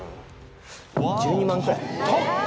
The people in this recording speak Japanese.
１２万くらい？